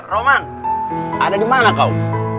roman ada di mana kau